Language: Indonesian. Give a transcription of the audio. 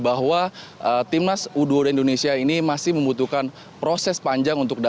bahwa timnas u dua puluh dua indonesia ini masih membutuhkan proses panjang untuk dapatkan